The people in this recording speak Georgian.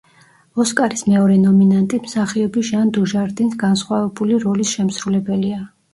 ოსკარის მეორე ნომინანტი მსახიობი ჟან დუჟარდინს განსხვავებული როლის შემსრულებელია.